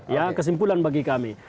ya kesimpulan bagi kami